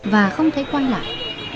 và không thấy quay lại